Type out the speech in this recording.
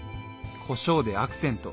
こしょうでアクセント。